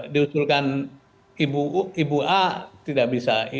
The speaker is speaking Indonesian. diusulkan ibu a tidak bisa